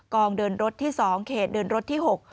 เดินรถที่๒เขตเดินรถที่๖